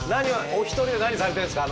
お一人で何されてるんですか？